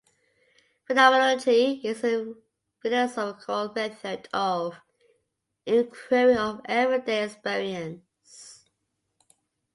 Phenomenology is a philosophical method of inquiry of everyday experience.